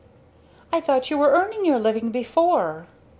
"I thought you were earning your living before!"